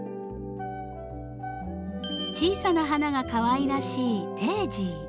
小さな花がかわいいらしいデージー。